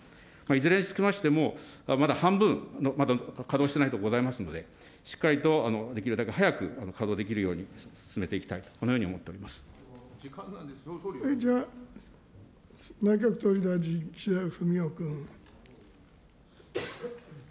いずれにつきましても、まだ半分、まだ稼働していないところございますので、しっかりとできるだけ早く稼働できるように進めていき内閣総理大臣、岸田文雄君。